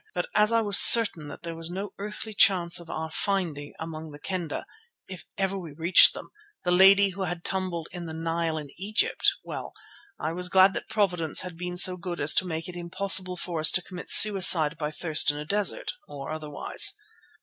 But as I was certain that there was no earthly chance of our finding among the Kendah—if ever we reached them—the lady who had tumbled in the Nile in Egypt, well, I was glad that Providence had been so good as to make it impossible for us to commit suicide by thirst in a desert, or otherwise.